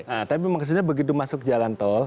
nah tapi maksudnya begitu masuk jalan tol